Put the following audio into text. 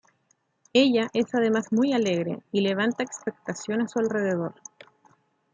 Ella es además muy alegre, y levanta expectación a su alrededor.